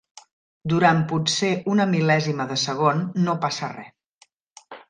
Durant potser una mil·lèsima de segon no passa res.